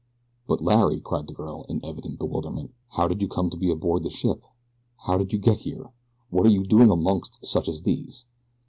"But, Larry," cried the girl, in evident bewilderment, "how did you come to be aboard this ship? How did you get here? What are you doing amongst such as these?"